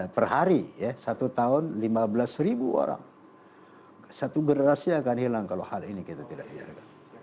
per hari satu tahun lima belas ribu orang satu berasnya akan hilang kalau hal ini kita tidak biarkan